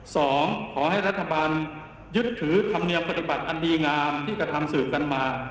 ขอให้รัฐบาลยึดถือธรรมเนียมปฏิบัติอันดีงามที่กระทำสืบกันมา